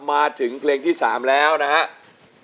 มาถึงเพลงที่๓แล้วนะครับ